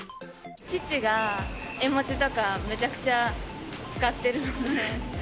父が絵文字とか、むちゃくちゃ使ってるので。